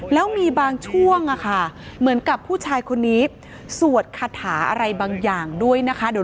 แล้วมีบางช่วงเหมือนกับผู้ชายคนนี้สวดคาถาอะไรบางอย่างด้วยนะคะ